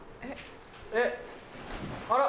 えっあら！